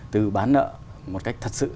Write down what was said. từ bán nợ một cách thật sự